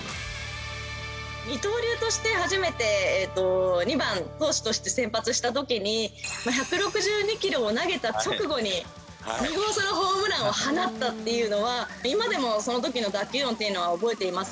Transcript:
二刀流として初めて２番投手として先発したときに１６２キロを投げた直後に、２号ソロホームランを放ったというのは今でもそのときの打球音というのは覚えています。